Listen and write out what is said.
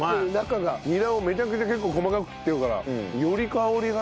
ニラをめちゃくちゃ結構細かく切ってるからより香りが。